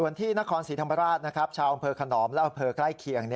ส่วนที่นครศรีธรรมราชชาวอำเภอขนอมและอำเภอใกล้เคียง